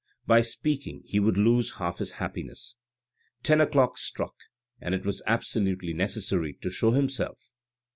By speaking he would lose half his happiness. Ten o'clock struck and it was absolutely necessary to show himself.